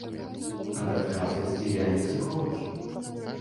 Ад адказнасці я не сыходжу.